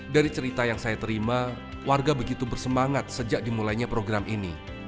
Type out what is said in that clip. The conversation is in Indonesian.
dari cerita yang saya terima warga begitu bersemangat sejak dimulainya program ini